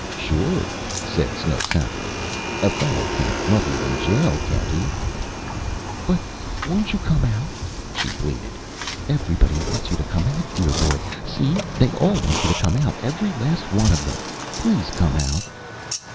"Sure," said Snooks happily. "A fellow can love you in jail, can't he?" "But won't you come out?" she pleaded. "Everybody wants you to come out, dear, dear boy. See they all want you to come out. Every last one of them. Please come out."